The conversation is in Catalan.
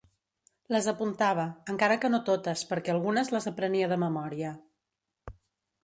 Les apuntava, encara que no totes perquè algunes les aprenia de memòria.